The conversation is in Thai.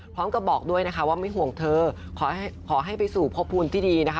บอกด้วยนะคะว่าไม่ห่วงเธอขอให้ไปสู่พบภูมิที่ดีนะคะ